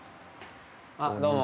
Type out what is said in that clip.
あっどうも。